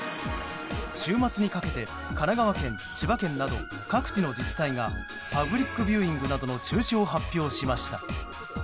週末にかけて神奈川県千葉県など各地の自治体がパブリックビューイングなどの中止を発表しました。